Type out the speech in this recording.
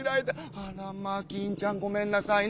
「あらま金ちゃんごめんなさいね。